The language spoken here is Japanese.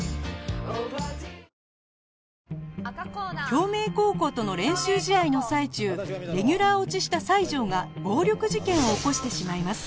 京明高校との練習試合の最中レギュラー落ちした西条が暴力事件を起こしてしまいます